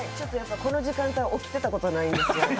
この時間帯起きてたことないんですよ。